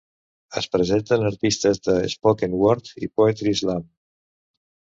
Es presenten artistes de Spoken Word i Poetry Slam.